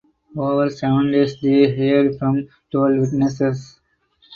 Over seven days they heard from twelve witnesses.